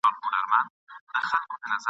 انتقام ته پاڅېدلی بیرغ غواړم ..